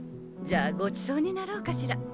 じゃあごちそうになろうかしら。